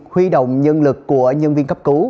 huy động nhân lực của nhân viên cấp cứu